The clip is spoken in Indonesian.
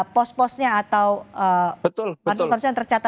pos posnya atau bansos bansos yang tercatat